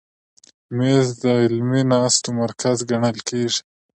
مېز د علمي ناستو مرکز ګڼل کېږي.